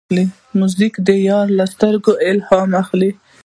موزیک د یار له سترګو الهام اخلي.